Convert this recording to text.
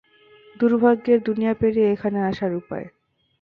দুর্ভাগ্যের দুনিয়া পেরিয়ে এখানে আসার উপায়।